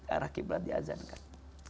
arah qibla diazankan